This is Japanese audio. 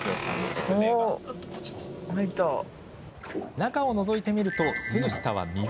中をのぞいてみるとすぐ下は湖。